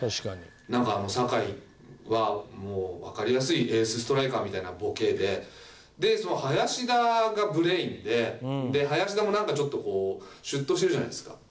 なんか酒井はもうわかりやすいエースストライカーみたいなボケでで林田がブレーンで林田もなんかちょっとこうシュッとしてるじゃないですか。